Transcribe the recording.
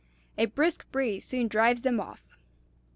A brisk breeze soon drives them off."